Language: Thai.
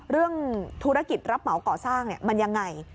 เรื่องธุรกิจรับเหมาก่อสร้างมันยังไง